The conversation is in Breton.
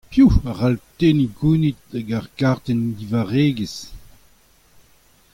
Piv a cʼhall tenniñ gounid ag ar gartenn divarregezh ?